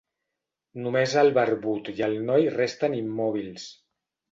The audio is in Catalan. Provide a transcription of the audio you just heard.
Només el barbut i el noi resten immòbils.